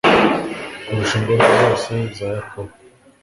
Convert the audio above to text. kurusha ingoro zose za Yakobo